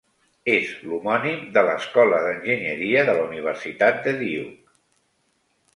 És l'homònim de l'Escola d'Enginyeria de la Universitat de Duke.